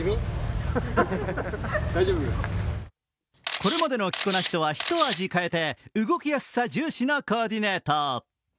これまでの着こなしとはひと味変えて動きやすさ重視のコーディネート。